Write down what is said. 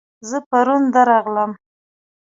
زه پرون درغلم